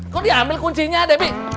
kok diambil kuncinya debi